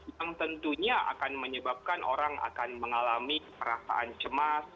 yang tentunya akan menyebabkan orang akan mengalami perasaan cemas